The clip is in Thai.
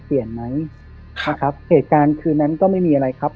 เปลี่ยนไหมครับเหตุการณ์คืนนั้นก็ไม่มีอะไรครับ